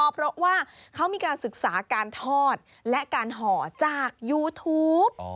เพราะว่าเขามีการศึกษาการทอดและการห่อจากยูทูป